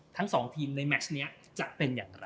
ทั้งสองทีมในแมชนี้จะเป็นอย่างไร